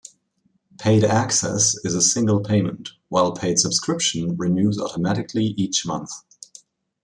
Paid Access is a single payment, while Paid Subscription renews automatically each month.